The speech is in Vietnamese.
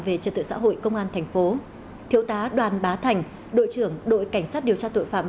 về trật tự xã hội công an thành phố thiếu tá đoàn bá thành đội trưởng đội cảnh sát điều tra tội phạm